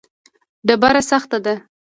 ډبره سخته ده.